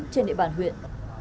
trên địa bàn huyện